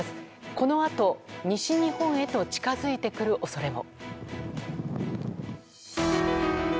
このあと、西日本へと近づいてくる恐れも。